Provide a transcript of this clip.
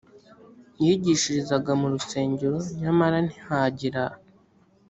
yigishirizaga mu rusengero nyamara ntihagira